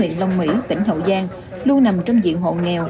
huyện long mỹ tỉnh hậu giang luôn nằm trong diện hộ nghèo